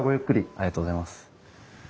ありがとうございます。